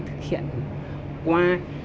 thực hiện qua